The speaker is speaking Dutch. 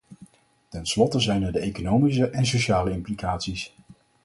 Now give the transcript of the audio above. Tenslotte zijn er de economische en sociale implicaties.